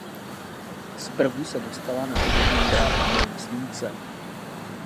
Zprvu se dostala na oběžnou dráhu kolem Slunce.